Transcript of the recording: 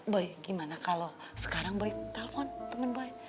boy gimana kalau sekarang boy telpon temen boy